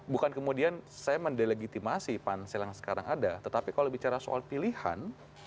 bukan kemudian saya mendelegitimasi pansel yang sekarang ada tetapi kalau bicara soal pilihan